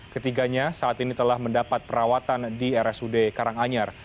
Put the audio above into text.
ketiganya saat ini telah mendapat perawatan di rsud karanganyar